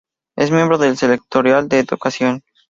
Es miembro de la Sectorial de Educación.